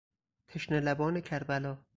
تشنه لبان کربلا